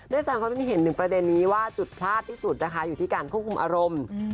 ด้วยซึ่งเขาได้เห็นหนึ่งประเด็นนี้ว่าจุดพลาดที่สุดนะคะอยู่ที่การควบคุมอารมณ์